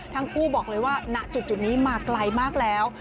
ทั้งคู่บอกเลยว่าณจุดนี้มาไกลมากแล้ว